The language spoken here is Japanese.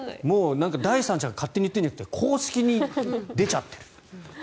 第三者が勝手に言ってるんじゃなくて公式に出ちゃってる。